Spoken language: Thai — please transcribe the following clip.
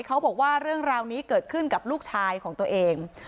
เขาบอกว่าเรื่องราวนี้เกิดขึ้นกับลูกชายของตัวเอง